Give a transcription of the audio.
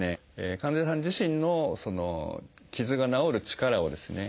患者さん自身の傷が治る力をですね